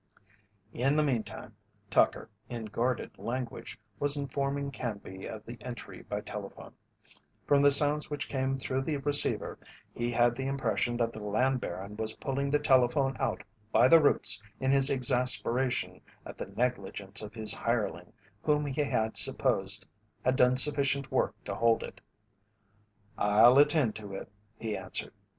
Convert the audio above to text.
In the meantime, Tucker, in guarded language, was informing Canby of the entry by telephone. From the sounds which came through the receiver he had the impression that the land baron was pulling the telephone out by the roots in his exasperation at the negligence of his hireling whom he had supposed had done sufficient work to hold it. "I'll attend to it," he answered.